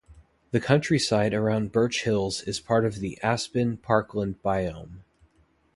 The countryside around Birch Hills is part of the aspen parkland biome.